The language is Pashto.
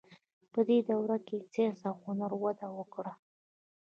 په دې دوره کې ساینس او هنر وده وکړه.